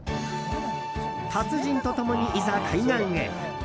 達人と共に、いざ海岸へ。